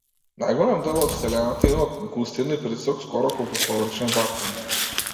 Најголем дел од вселената има густина и притисок скоро колку совршен вакуум.